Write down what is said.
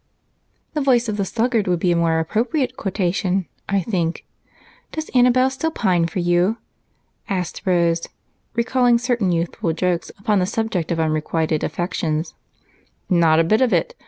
"The voice of the sluggard would be a more appropriate quotation, I think. Does Annabel still pine for you?" asked Rose, recalling certain youthful jokes upon the subject of unrequited affections. "Not a bit of it.